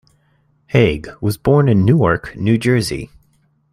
Haig was born in Newark, New Jersey.